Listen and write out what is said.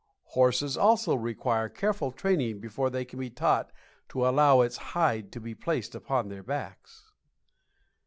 Horses also require careful training before they can be taught to allow its hide to be placed upon their backs."